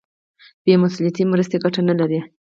بې مسولیته مرستې ګټه نه لري.